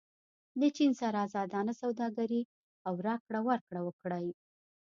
له چین سره ازادانه سوداګري او راکړه ورکړه وکړئ.